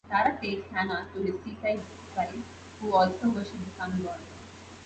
Tara takes Sanna to his seaside tribe, who also worship the Sun God.